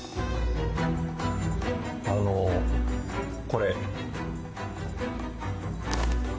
あのこれ。